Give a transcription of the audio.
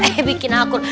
eh bikin akur